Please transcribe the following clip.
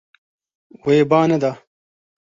Wê ba neda.